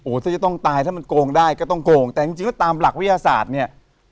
ถ้าจะต้องตายถ้ามันโกงได้ก็ต้องโกงแต่จริงแล้วตามหลักวิทยาศาสตร์เนี่ย